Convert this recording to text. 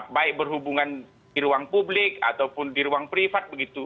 baik berhubungan di ruang publik ataupun di ruang privat begitu